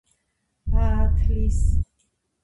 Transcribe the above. აათლის